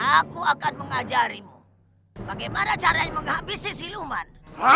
aku akan mengajarimu bagaimana caranya menghabisi siluman